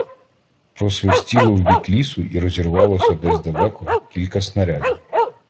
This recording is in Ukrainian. Просвистіло в бік лісу і розірвалося десь далеко кілька снарядів.